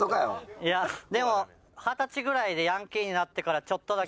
いやでも二十歳ぐらいでヤンキーになってからちょっとだけ。